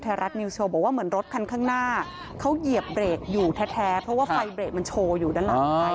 รัฐนิวโชว์บอกว่าเหมือนรถคันข้างหน้าเขาเหยียบเบรกอยู่แท้เพราะว่าไฟเบรกมันโชว์อยู่ด้านหลัง